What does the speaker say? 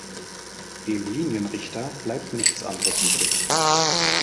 Dem Linienrichter bleibt nichts anderes übrig.